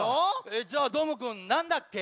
えっじゃあどーもくんなんだっけ？